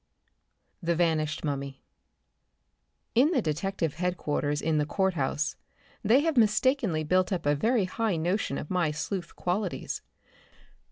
The Vanished Mummy In the detective headquarters in the Courthouse they have mistakenly built up a very high notion of my sleuth qualities.